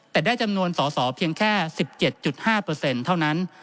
แต่ได้จำนวนสอสอเพียงแค่๑๗๕เท่านั้น